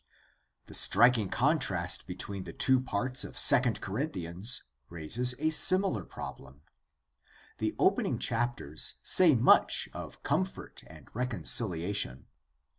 The striking contrast between the two parts of II Corinthi ans raises a similar problem. The opening chapters say much of comfort and reconciliation.